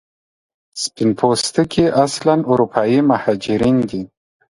سپین پوستکي اصلا اروپایي مهاجرین دي.